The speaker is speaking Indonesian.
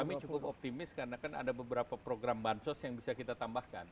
kami cukup optimis karena kan ada beberapa program bansos yang bisa kita tambahkan